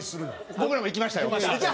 「僕らも行きましたよ」。